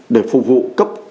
để phục vụ cấp